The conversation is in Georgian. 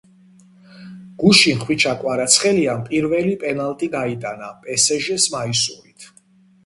გუშინ ხვიჩა კვარაცხელიამ პირველი პენალტი გაიტანა პესეჟეს მაისურით